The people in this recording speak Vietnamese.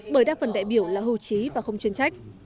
bởi đa phần đại biểu là hưu trí và không chuyên trách